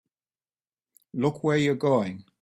Look where you're going!